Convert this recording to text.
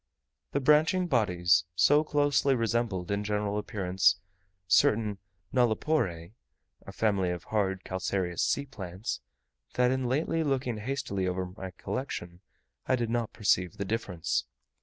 The branching bodies so closely resembled in general appearance certain nulliporae (a family of hard calcareous sea plants), that in lately looking hastily over my collection I did not perceive the difference.